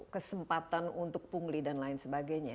kesempatan untuk pungli dan lain sebagainya